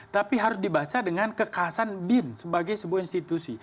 tapi harus dibaca dengan kekasan bin sebagai sebuah institusi